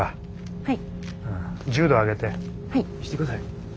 はい。